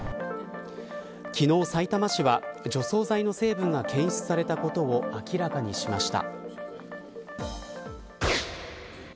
昨日、さいたま市は除草剤の成分が検出されたことを明らかにしました。